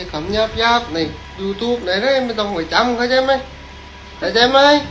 คำยาบยาบยูทูปไม่ต้องกลับไปทำ